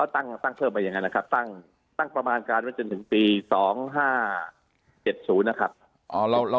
ตั้งเพิ่มไปอย่างนั้นนะครับตั้งประมาณการไว้จนถึงปี๒๕๗๐นะครับ